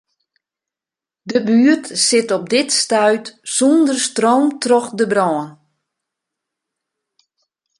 De buert sit op dit stuit sûnder stroom troch de brân.